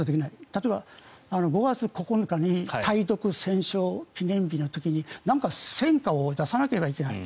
例えば、５月９日の対独戦勝記念日の時に戦果を出さなければいけない。